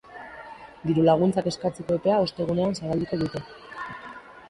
Dirulaguntzak eskatzeko epea ostegunean zabalduko dute.